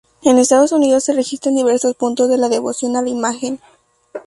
En Estados Unidos se registran diversos puntos de devoción a la imagen.